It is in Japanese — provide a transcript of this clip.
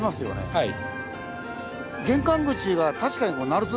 はい。